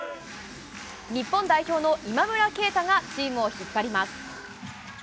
日本代表の今村圭太がチームを引っ張ります。